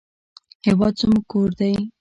هېواد زموږ کور دی